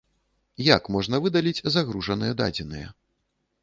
Як можна выдаліць загружаныя дадзеныя?